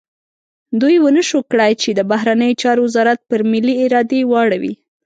دوی ونه شو کړای چې د بهرنیو چارو وزارت پر ملي ارادې واړوي.